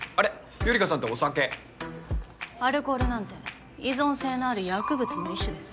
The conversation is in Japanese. ゆりかさんってお酒アルコールなんて依存性のある薬物の一種です